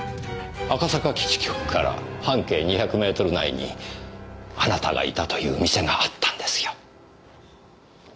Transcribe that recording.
赤坂基地局から半径２００メートル内にあなたがいたという店があったんですよ。